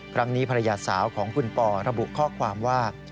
ครั้งนี้ภรรยาสาวของคุณปอระบุข้อความว่า